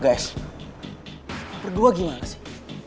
guys lo berdua gimana sih